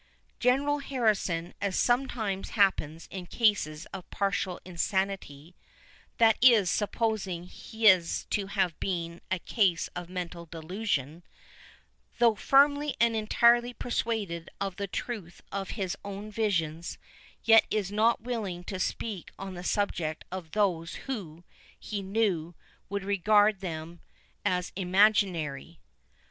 General Harrison, as sometimes happens in cases of partial insanity, (that is, supposing his to have been a case of mental delusion,) though firmly and entirely persuaded of the truth of his own visions, yet was not willing to speak on the subject to those who, he knew, would regard them as imaginary.